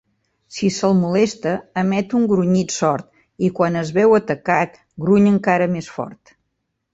Si se'l molesta, emet un grunyit sord i, quan es veu atacat, gruny encara més fort.